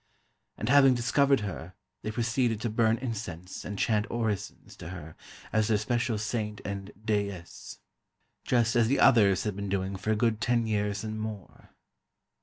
And having discovered her, they proceeded to burn incense and chant orisons to her as their special saint and déesse, just as the others had been doing for a good ten years and more.